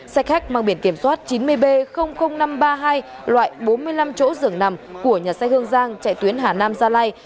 xe khách mang biển kiểm soát chín mươi b năm trăm ba mươi hai loại bốn mươi năm chỗ dường nằm của nhà xe hương giang chạy tuyến hà nam gia lai